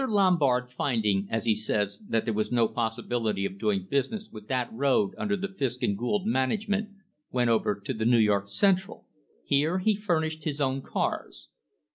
Lombard find ing, as he says, that there was no possibility of doing business with that road under the Fisk and Gould management, went over to the New York Central. Here he furnished his own cars.